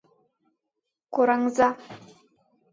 — Кораҥза!